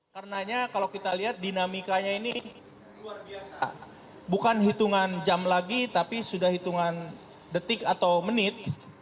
karenanya kalau kita lihat dinamikanya ini luar biasa bukan hitungan jam lagi tapi sudah hitungan detik atau menit